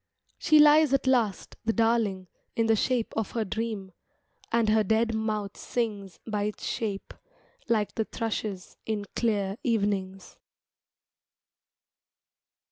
She lies at last, the darling, in the shape of her dream, And her dead mouth sings By its shape, like the thrushes in clear evenings.